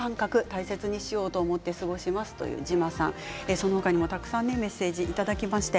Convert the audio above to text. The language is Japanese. その他にもたくさんメッセージいただきました。